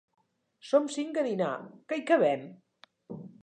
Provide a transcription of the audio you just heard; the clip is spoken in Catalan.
Som cinc a dinar; que hi cabem?